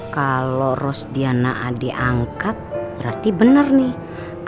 kalau rosdiana adik angkat berarti bener nih